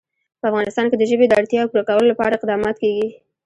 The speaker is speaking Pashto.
په افغانستان کې د ژبې د اړتیاوو پوره کولو لپاره اقدامات کېږي.